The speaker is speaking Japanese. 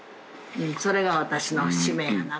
それが私の使命やな。